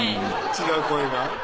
違う声が？